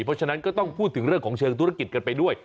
เพราะฉะนั้นก็ต้องพูดถึงเรื่องของเชิงธุรกิจกันไปด้วย